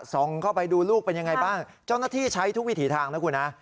เข้าไปดูลูกเป็นยังไงบ้างเจ้าหน้าที่ใช้ทุกวิถีทางนะคุณฮะ